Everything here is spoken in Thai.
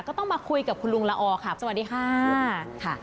ก็ต้องมาคุยกับคุณลุงละออค่ะสวัสดีค่ะ